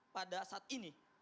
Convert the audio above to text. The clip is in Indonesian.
pada saat ini